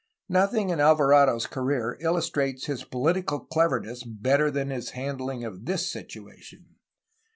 Nothing in Alvarado^s career illustrates his politi cal cleverness better than his handling of this situation.